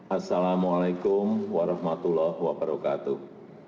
assalamu'alaikum warahmatullahi wabarakatuh